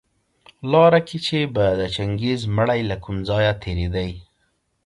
لاره کي چي به د چنګېز مړى له کوم ځايه تېرېدى